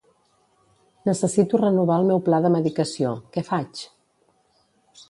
Necessito renovar el meu pla de medicació, què faig?